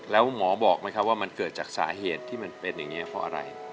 แล้วหมอบอกไหมครับว่ามันเกิดจากสาเหตุที่มันเป็นอย่างนี้เพราะอะไร